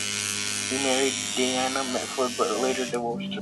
He married Diana Mitford, but later divorced her.